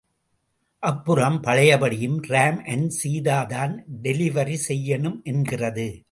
அப்புறம் பழையபடியும் ராம் அண்ட் சீதாதான் டெலிவரி செய்யனும் என்கிறது.